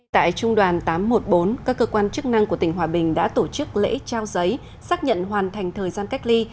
tại trung đoàn tám trăm một mươi bốn các cơ quan chức năng của tỉnh hòa bình đã tổ chức lễ trao giấy xác nhận hoàn thành thời gian cách ly